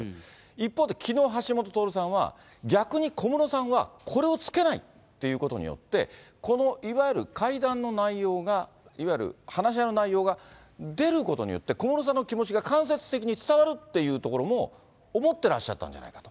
一方で、きのう橋下徹さんは、逆に小室さんは、これをつけないということによって、このいわゆる会談の内容が、いわゆる話し合いの内容が出ることによって、小室さんの気持ちが間接的に伝わるということも思ってらっしゃったんじゃないかと。